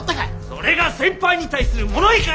それが先輩に対する物言いか！